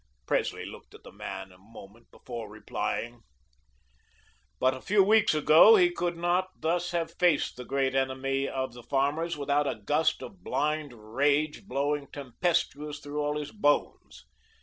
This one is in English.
Presley looked at the man a moment before replying. But a few weeks ago he could not thus have faced the great enemy of the farmers without a gust of blind rage blowing tempestuous through all his bones.